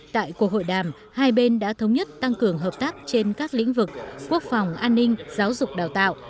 tại cuộc hội đàm hai bên đã thống nhất tăng cường hợp tác trên các lĩnh vực quốc phòng an ninh giáo dục đào tạo